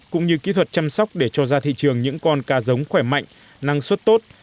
cũng như kỹ thuật chăm sóc để cho ra thị trường những con cá giống khỏe mạnh năng suất tốt